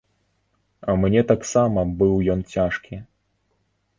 Мне таксама быў ён цяжкі.